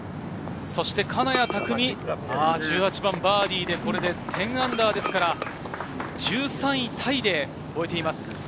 そして金谷拓実、１８番、バーディーでこれで−１０ですから、１３位タイで終えています。